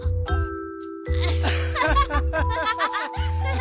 アハハハハ！